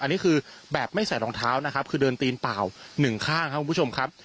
อันนี้คือแบบไม่ใส่รองเท้านะครับคือเดินตีนเปล่าหนึ่งข้างครับคุณผู้ชมครับ